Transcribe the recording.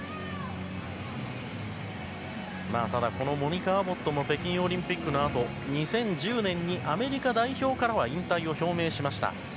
ただこのモニカ・アボットも北京オリンピックのあと２０１０年にアメリカ代表からは引退を表明しました。